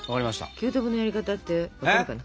９等分のやり方ってわかるかな？